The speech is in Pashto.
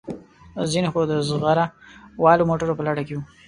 ځینې خو د زغره والو موټرو په لټه کې وو.